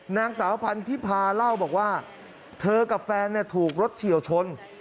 นางสาวพันธิพาเล่าบอกว่าเธอกับแฟนถูกรถเฉียวชน